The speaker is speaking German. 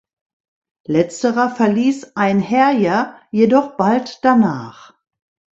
Letzterer verließ Einherjer jedoch bald danach.